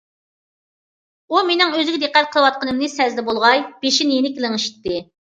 ئۇ مېنىڭ ئۆزىگە دىققەت قىلىۋاتقىنىمنى سەزدى بولغاي، بېشىنى يېنىك لىڭشىتتى.